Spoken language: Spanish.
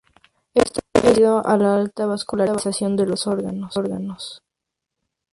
Esto es debido a la alta vascularización de los órganos.